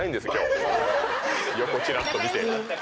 横ちらっと見て。